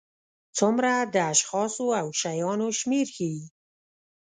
څومره د اشخاصو او شیانو شمېر ښيي.